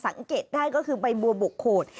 สังเกตได้ก็คือใบบัวบกโขด